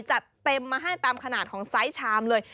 จัดเต็มมาให้ตามขนาดของไซส์ชามเลย